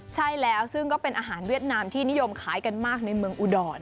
ใช่แล้วซึ่งก็เป็นอาหารเวียดนามที่นิยมขายกันมากในเมืองอุดร